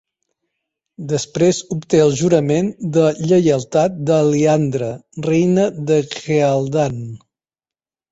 Després obté el jurament de lleialtat d'Alliandre, reina de Ghealdan.